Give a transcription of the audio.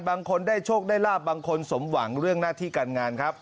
บางคนได้โชคได้ลาบบางคนสมหวังเรื่องหน้าที่การงานครับ